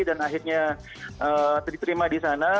dan akhirnya diterima di sana